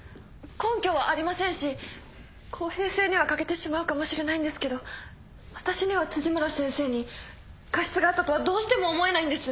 根拠はありませんし公平性には欠けてしまうかもしれないんですけど私には辻村先生に過失があったとはどうしても思えないんです。